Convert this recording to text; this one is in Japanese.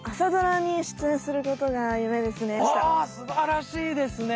すばらしいですね！